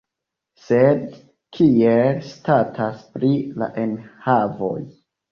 Sed kiel statas pri la enhavoj?